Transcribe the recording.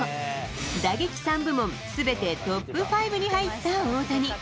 打撃３部門、すべてトップ５に入った大谷。